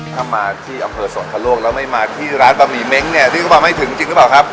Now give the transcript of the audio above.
ถ้ามาที่อำเภอสวรรคโลกแล้วไม่มาที่ร้านบะหมี่เม้งเนี่ยเรียกเข้ามาไม่ถึงจริงหรือเปล่าครับ